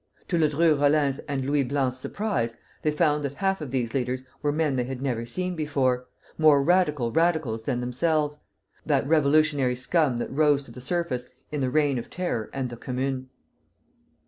To Ledru Rollin's and Louis Blanc's surprise, they found that half of these leaders were men they had never seen before, more radical radicals than themselves, that revolutionary scum that rose to the surface in the Reign of Terror and the Commune.